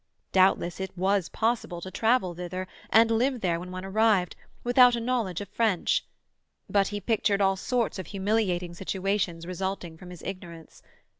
Doubtless it was possible to travel thither, and live there when one arrived, without a knowledge of French; but he pictured all sorts of humiliating situations resulting from his ignorance.